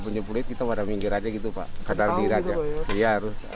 berjemur sebaiknya tidak dilakukan di tempat tempat yang berbahaya